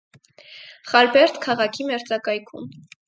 Խարբերդ քաղաքի մերձակայքում։